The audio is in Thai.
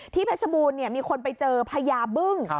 ที่เพชรบูรณ์เนี่ยมีคนไปเจอพญาบึ้ง